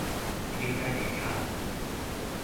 應該沒差